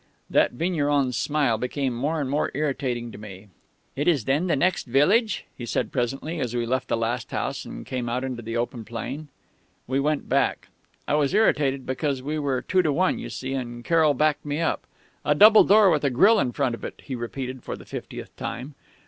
"That vigneron's smile became more and more irritating to me.... 'It is then the next village?' he said presently, as we left the last house and came out into the open plain. "We went back.... "I was irritated because we were two to one, you see, and Carroll backed me up. 'A double door, with a grille in front of it,' he repeated for the fiftieth time....